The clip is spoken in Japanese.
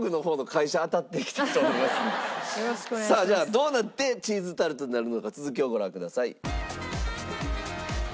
さあじゃあどうなってチーズタルトになるのか続きをご覧ください。